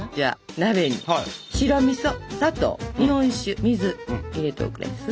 鍋に白みそ砂糖日本酒水入れておくれやす。